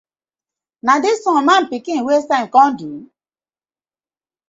Na dis one man pikin waste time kom do?